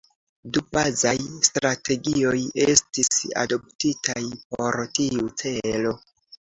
Du bazaj strategioj estis adoptitaj por tiu celo.